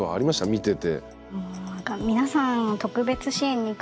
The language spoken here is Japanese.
見てて。